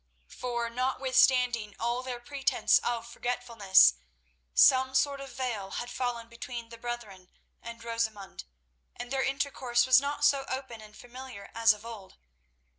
For notwithstanding all their pretense of forgetfulness, some sort of veil had fallen between the brethren and Rosamund, and their intercourse was not so open and familiar as of old.